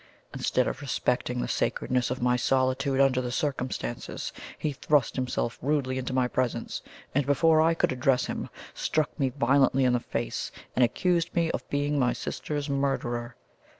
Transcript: Instead of respecting the sacredness of my solitude under the circumstances, he thrust himself rudely into my presence, and, before I could address him, struck me violently in the face, and accused me of being my sister's murderer.